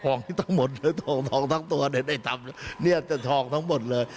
ท้องทั้งหมดเลยท้องทั้งตัวนี่จะท้องทั้งหมดเลย